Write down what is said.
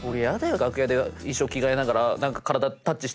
楽屋で衣装着替えながら。